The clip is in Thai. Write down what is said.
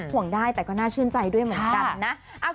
ห่วงได้แต่ก็น่าชื่นใจด้วยเหมือนกันนะ